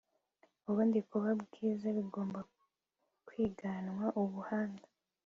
ubundi kuba bwiza bigomba kwiganwa ubuhanga